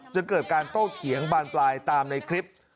เกิดการโต้เถียงบานปลายตามในคลิป